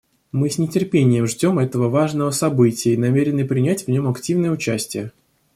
Мы с нетерпением ждем этого важного события и намерены принять в нем активное участие.